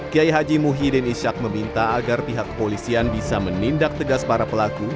kiai haji muhyiddin ishak meminta agar pihak kepolisian bisa menindak tegas para pelaku